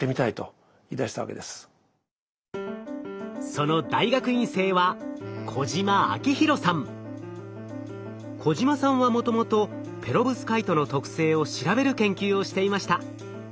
その大学院生は小島さんはもともとペロブスカイトの特性を調べる研究をしていました。